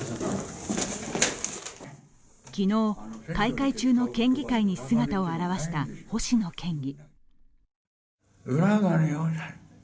昨日、開会中の県議会に姿を現した星野県議。